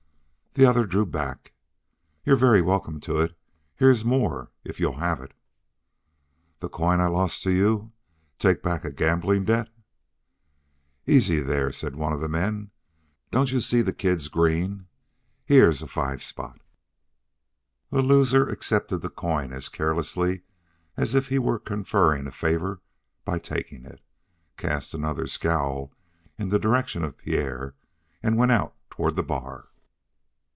The other drew back. "You're very welcome to it. Here's more, if you'll have it." "The coin I've lost to you? Take back a gamblin' debt?" "Easy there," said one of the men. "Don't you see the kid's green? Here's a five spot." The loser accepted the coin as carelessly as if he were conferring a favor by taking it, cast another scowl in the direction of Pierre, and went out toward the bar.